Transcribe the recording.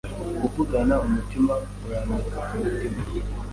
kuvugana umutima, urampeka ku mutima,